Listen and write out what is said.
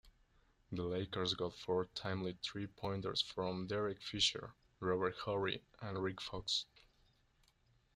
The Lakers got four timely three-pointers from Derek Fisher, Robert Horry, and Rick Fox.